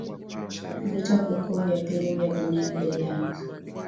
vita vikuu vya pili vya dunia vilianza